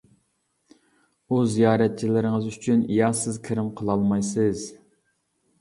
ئۇ زىيارەتچىلىرىڭىز ئۈچۈن يا سىز كىرىم قىلالمايسىز.